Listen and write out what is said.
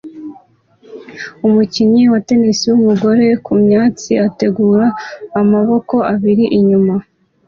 Umukinnyi wa tennis wumugore kumyatsi ategura amaboko abiri inyuma